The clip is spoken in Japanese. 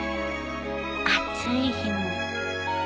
暑い日も。